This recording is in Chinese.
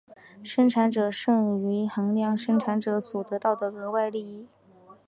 生产者剩余衡量生产者所得到的额外利益。